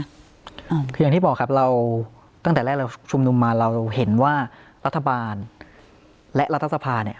อย่างที่บอกครับเราตั้งแต่แรกเราชุมนุมมาเราเห็นว่ารัฐบาลและรัฐสภาเนี่ย